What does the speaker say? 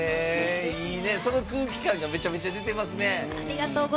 その空気感がめちゃめちゃ出てますね。